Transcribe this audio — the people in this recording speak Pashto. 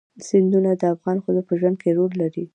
سیندونه د افغان ښځو په ژوند کې رول لري.